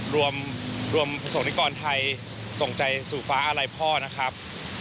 รวมประสงค์นิกรไทยส่งใจสู่ฟ้าอาลัยพ่อนะครับ